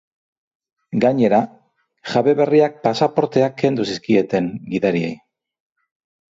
Gainera, jabe berriak pasaporteak kendu zizkieten gidariei.